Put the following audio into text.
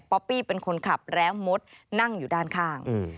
ปี้เป็นคนขับแล้วมดนั่งอยู่ด้านข้าง